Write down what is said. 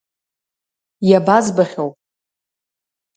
Иабазбахьоу?